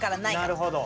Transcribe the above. なるほど。